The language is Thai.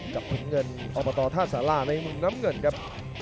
กับทุกเงินออกมาต่อท่านสาราในมุมน้ำเงินครับ